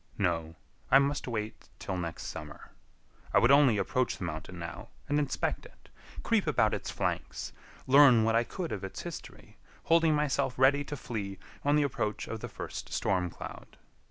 No; I must wait till next summer. I would only approach the mountain now, and inspect it, creep about its flanks, learn what I could of its history, holding myself ready to flee on the approach of the first storm cloud.